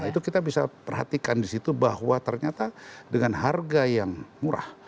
itu kita bisa perhatikan di situ bahwa ternyata dengan harga yang murah